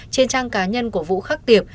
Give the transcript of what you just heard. trên trang cá nhân của phu khắc tiệp